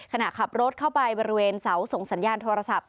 ขณะขับรถเข้าไปบริเวณเสาส่งสัญญาณโทรศัพท์